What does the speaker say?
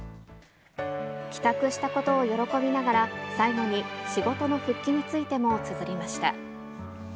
帰宅したことを喜びながら、最後に仕事の復帰についてもつづりました。